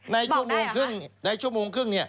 ในชั่วโมงครึ่งในชั่วโมงครึ่ง